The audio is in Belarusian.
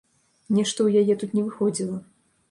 Нешта ў яе тут не выходзіла.